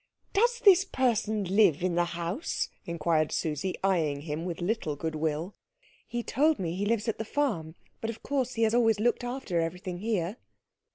"Does this person live in the house?" inquired Susie, eying him with little goodwill. "He told me he lives at the farm. But of course he has always looked after everything here."